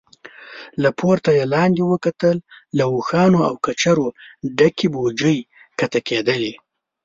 له پورته يې لاندې وکتل، له اوښانو او کچرو ډکې بوجۍ کښته کېدلې.